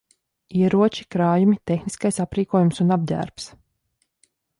Ieroči, krājumi, tehniskais aprīkojums un apģērbs.